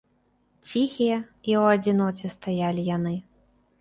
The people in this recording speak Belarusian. Ціхія і ў адзіноце стаялі яны.